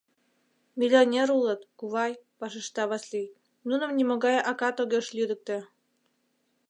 — Миллионер улыт, кувай, — вашешта Васлий, — нуным нимогай акат огеш лӱдыктӧ.